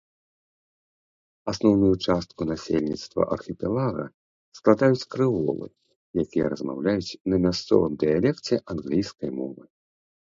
Асноўную частку насельніцтва архіпелага складаюць крэолы, якія размаўляюць на мясцовым дыялекце англійскай мовы.